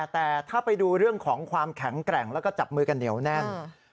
แต่ถ้าไปดูเรื่องของความแข็งแกร่งแล้วก็จับมือกันเหนียวแน่น